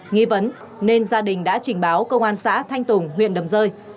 nghi vấn nên gia đình đã trình báo công an xã thanh tùng huyện đầm rơi